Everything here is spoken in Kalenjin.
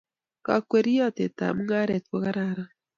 Kagweriote tab mungaret ko kararan